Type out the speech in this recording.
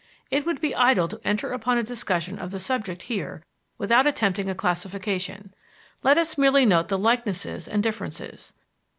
It would be idle to enter upon a discussion of the subject here without attempting a classification; let us merely note the likenesses and differences.